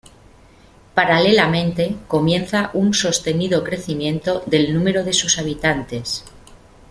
Paralelamente comienza un sostenido crecimiento del número de sus habitantes.